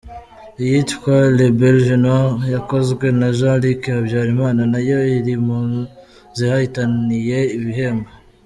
Iyitwa «Le Belge noir» yakozwe na Jean-Luc Habyarimana nayo iri mu zihataniye ibihembo.